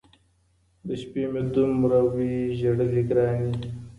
د شپې مي دومره وي ژړلي ګراني !